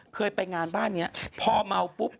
เคยไปงานบ้านนี้พอเมาปุ๊บ